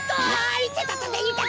いててていてて。